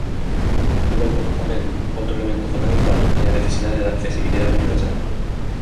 Logo, tamén, outro elemento fundamental é a necesidade da accesibilidade universal.